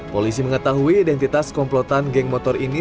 polisi mengetahui identitas komplotan geng motor ini